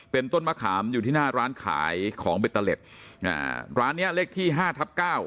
เป็นต้นมะขามอยู่ที่หน้าร้านขายของเบตเตอร์เล็ตอ่าร้านเนี้ยเลขที่ห้าทับเก้า